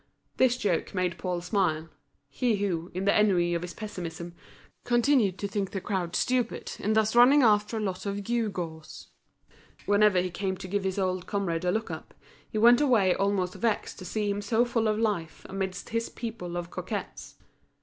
This joke made Paul smile, he who, in the ennui of his pessimism, continued to think the crowd stupid in thus running after a lot of gew gaws. Whenever he came to give his old comrade a look up, he went away almost vexed to see him so full of life amidst his people of coquettes.